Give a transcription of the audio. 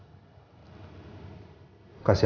ada waktu untuk berfikir